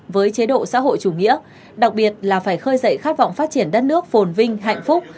với chế độ xã hội chủ nghĩa đặc biệt là phải khơi dậy khát vọng phát triển đất nước phồn vinh hạnh phúc